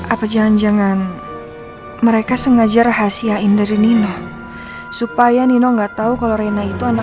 apa jangan jangan mereka sengaja rahasiain dari nina supaya nino nggak tahu kalau rena itu anak